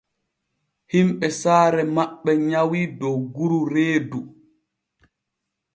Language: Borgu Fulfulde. Himɓe saare maɓɓe nyawii dogguru reedu.